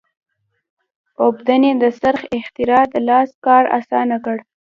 اوبدنې د څرخ اختراع د لاس کار اسانه کړ.